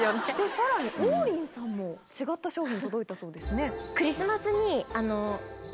さらに王林さんも違った商品届いたそうですね。